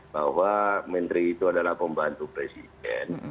bahwa menteri itu adalah pembantu presiden